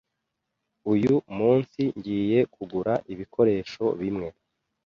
Uyu munsi ngiye kugura ibikoresho bimwe.